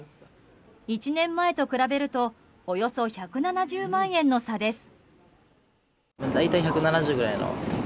１年前と比べるとおよそ１７０万円の差です。